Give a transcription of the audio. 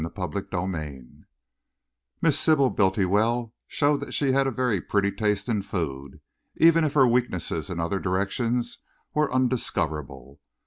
CHAPTER VIII Miss Sybil Bultiwell showed that she had a very pretty taste in food even if her weaknesses in other directions were undiscoverable.